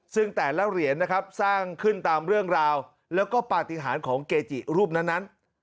ซึ่งแต่ละเหรียญนะครับสร้างขึ้นตามเรื่องราวแล้วก็ปฏิหารของเกจิรูปนั้น